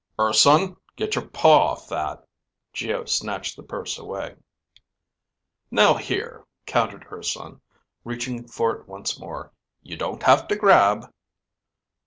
"Urson, get your paw off that." Geo snatched the purse away. "Now here," countered Urson, reaching for it once more, "you don't have to grab."